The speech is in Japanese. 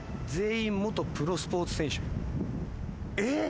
えっ？